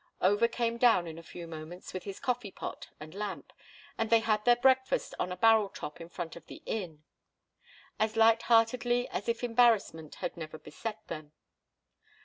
Over came down in a few moments with his coffee pot and lamp, and they had their breakfast on a barrel top in front of the inn, as light heartedly as if embarrassment had never beset them.